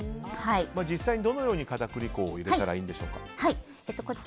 実際にどのように片栗粉を入れたらいいんでしょうか。